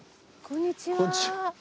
こんにちは。